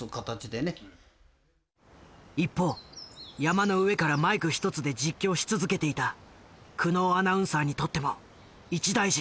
一方山の上からマイク一つで実況し続けていた久能アナウンサーにとっても一大事が。